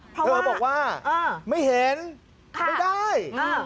เธอบอกว่าไม่เห็นไม่ได้